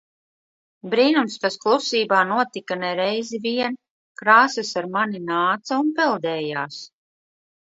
Brīnums, kas klusībā notika ne reizi vien. Krāsas ar mani nāca un peldējās.